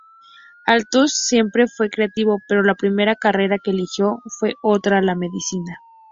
Athos siempre fue creativo, pero la primera carrera que eligió fue otra: la medicina.